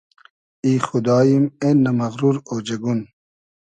ای خوداییم اېنۂ مئغرور اۉجئگون